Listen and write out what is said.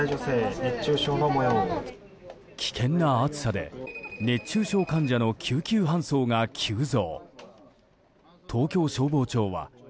危険な暑さで熱中症患者の救急搬送が急増。